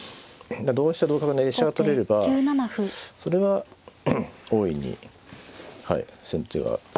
同飛車同角成で飛車が取れればそれは大いに先手が。